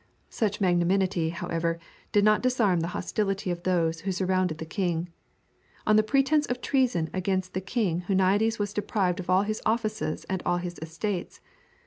Such magnanimity, however, did not disarm the hostility of those who surrounded the king. On the pretence of treason against the king Huniades was deprived of all his offices and all his estates.